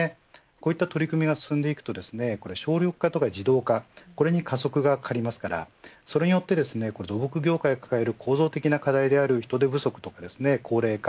こういった取り組みが進んでいくと省力化や自動化に加速がかかりますからそれによって土木業界が抱える構造的な課題である人手不足とか高齢化